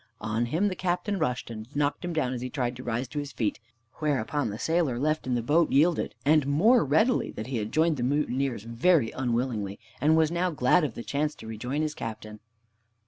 On him the Captain rushed, and knocked him down as he tried to rise to his feet, whereupon the sailor left in the boat yielded, and more readily that he had joined the mutineers very unwillingly, and was now glad of the chance to rejoin his Captain.